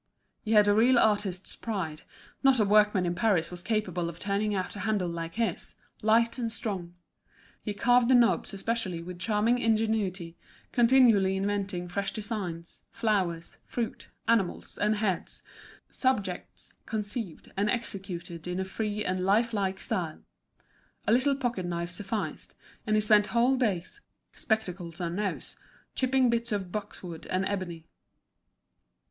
He had a real artist's pride; not a workman in Paris was capable of turning out a handle like his, light and strong. He carved the knobs especially with charming ingenuity, continually inventing fresh designs, flowers, fruit, animals, and heads, subjects conceived and executed in a free and life like style. A little pocket knife sufficed, and he spent whole days, spectacles on nose, chipping bits of boxwood and ebony.